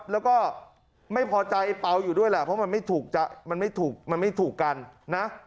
แล้วก็ไม่พอใจไอ้เปาอยู่ด้วยแหละเพราะมันไม่ถูกกันนะ